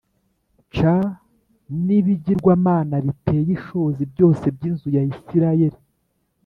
C n ibigirwamana biteye ishozi byose by inzu ya isirayeli